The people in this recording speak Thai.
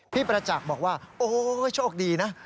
ประจักษ์บอกว่าโอ้ยโชคดีนะ